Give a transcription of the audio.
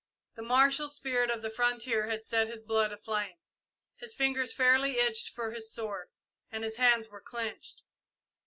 The martial spirit of the frontier had set his blood aflame. His fingers fairly itched for his sword, and his hands were clenched.